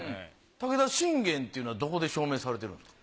武田信玄っていうのはどこで証明されてるんですか？